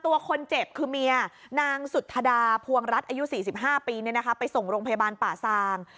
ตัวคนเจ็บคือเมียนางสุธดาพวงรัฐอายุ๔๕ปีไปส่งโรงพยาบาลป่าซาง